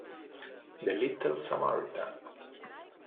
The Little Samaritan